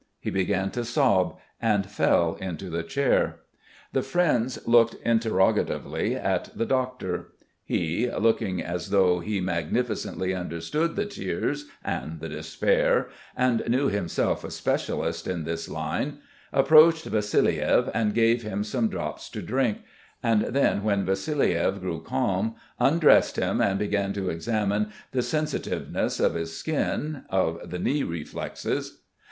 He began to sob and fell into the chair. The friends looked interrogatively at the doctor. He, looking as though he magnificently understood the tears and the despair, and knew himself a specialist in this line, approached Vassiliev and gave him some drops to drink, and then when Vassiliev grew calm undressed him and began to examine the sensitiveness of his skin, of the knee reflexes....